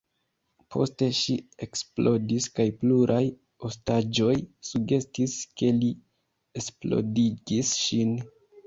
Poste ŝi eksplodis kaj pluraj ostaĝoj sugestis, ke li eksplodigis ŝin.